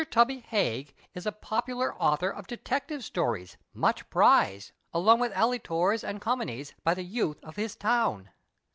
Tubby Haig is a popular author of detective stories, much prized, along with alley tors and commoncN'S, by the youth of this town."